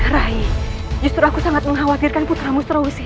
rai justru aku sangat mengkhawatirkan puteramu